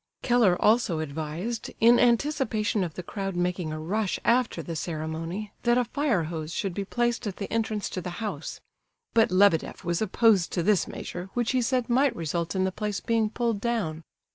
Keller also advised, in anticipation of the crowd making a rush after the ceremony, that a fire hose should be placed at the entrance to the house; but Lebedeff was opposed to this measure, which he said might result in the place being pulled down.